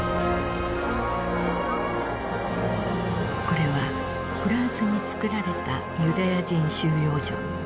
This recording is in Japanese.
これはフランスに作られたユダヤ人収容所。